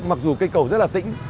mặc dù cây cầu rất là tĩnh